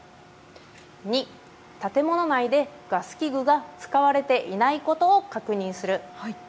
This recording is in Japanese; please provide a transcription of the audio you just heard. ２、建物内でガス器具が使われていないことを確認する。